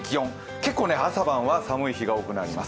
結構、朝晩は寒い日が多くなります